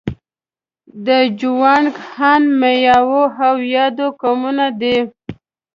د جوانګ، هان، میاو او یاو قومونه دي.